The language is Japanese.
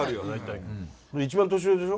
一番年上でしょ？